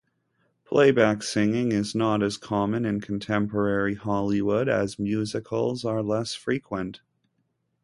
Playback singing is not as common in contemporary Hollywood as musicals are less frequent.